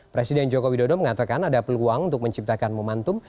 presiden joko widodo mengatakan ada peluang untuk menciptakan momentum